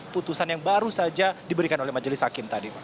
putusan yang baru saja diberikan oleh majelis hakim tadi pak